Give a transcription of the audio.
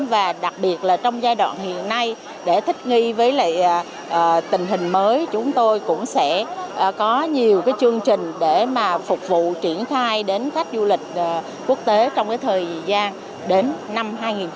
và đặc biệt là trong giai đoạn hiện nay để thích nghi với lại tình hình mới chúng tôi cũng sẽ có nhiều chương trình để mà phục vụ triển khai đến khách du lịch quốc tế trong thời gian đến năm hai nghìn hai mươi